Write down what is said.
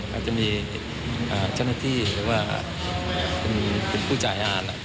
ก็จะมีเจ้าหน้าที่คือว่าคุณผู้จ่ายยาน